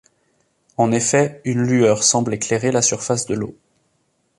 En effet une lueur semble éclairer la surface de l'eau.